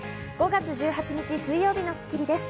５月１８日、水曜日の『スッキリ』です。